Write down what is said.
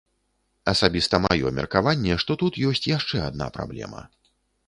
Асабіста маё меркаванне, што тут ёсць яшчэ адна праблема.